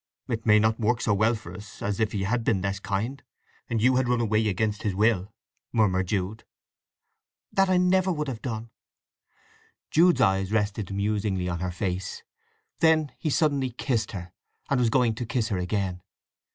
"It may not work so well for us as if he had been less kind, and you had run away against his will," murmured Jude. "That I never would have done." Jude's eyes rested musingly on her face. Then he suddenly kissed her; and was going to kiss her again.